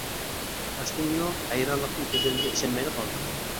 ئاچتىم يۇ، ھەيرانلىقتىن كۆزلىرىمگە ئىشەنمەيلا قالدىم.